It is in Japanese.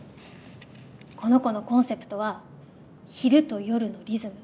この子のコンセプトは「昼と夜のリズム」。